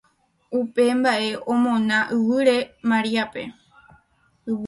Upe mbaʼe omona yvýre Mariápe.